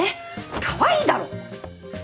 カワイイだろ！